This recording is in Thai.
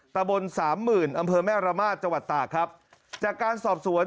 ตะบนสามหมื่นอำเภอแม่ระมาทจังหวัดตากครับจากการสอบสวน